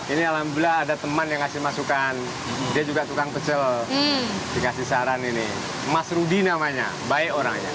ini alhamdulillah ada teman yang ngasih masukan dia juga tukang pecel dikasih saran ini mas rudi namanya baik orangnya